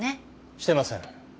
してません。